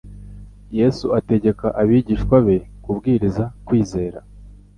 Yesu ategeka abigishwa be kubwiriza kwizera